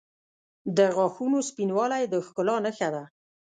• د غاښونو سپینوالی د ښکلا نښه ده.